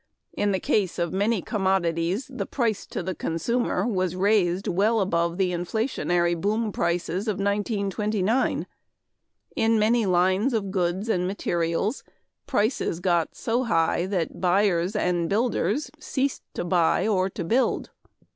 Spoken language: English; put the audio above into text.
... In the case of many commodities the price to the consumer was raised well above the inflationary boom prices of 1929. In many lines of goods and materials, prices got so high that buyers and builders ceased to buy or to build.